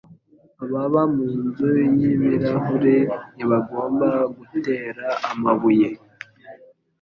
Ababa munzu yibirahure ntibagomba gutera amabuye.